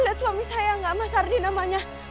lihat suami saya nggak mas ardi namanya